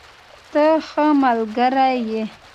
ته ښه ملګری یې.